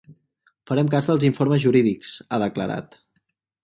“Farem cas dels informes jurídics”, ha declarat.